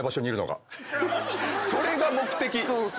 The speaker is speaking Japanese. それが目的！